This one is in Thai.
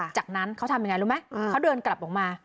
จากนั้นเขาทำยังไงรู้ไหมเขาเดินกลับออกมา